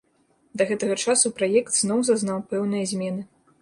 Да гэтага часу праект зноў зазнаў пэўныя змены.